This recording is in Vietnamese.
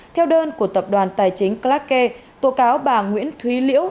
theo đơn của tập đoàn tài chính clark k tổ cáo bà nguyễn thúy liễu